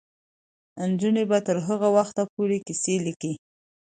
نجونې به تر هغه وخته پورې کیسې لیکي.